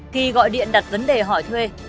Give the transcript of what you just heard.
khi gọi điện đặt vấn đề hỏi thuê